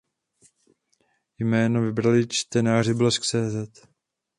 Jméno vybrali čtenáři Blesk.cz.